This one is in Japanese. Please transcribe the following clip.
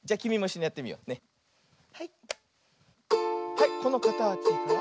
はいこのかたちから。